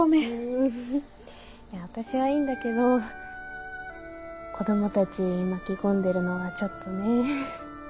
ううんいや私はいいんだけど子供たち巻き込んでるのはちょっとね。